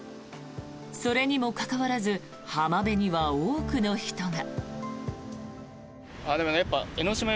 それにもかかわらず浜辺には多くの人が。